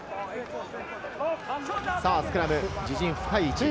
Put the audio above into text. スクラム、自陣深い位置。